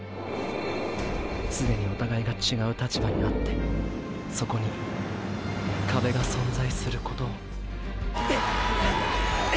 すでにお互いが違う立場にあってそこに「カベ」が存在することをッ！